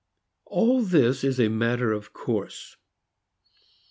All this is a matter of course.